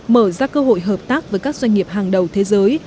mở ra cơ hội hợp tác với các doanh nghiệp hàng đầu thế giới